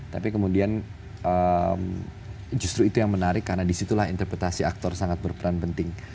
tapi kemudian justru itu yang menarik karena disitulah interpretasi aktor sangat berperan penting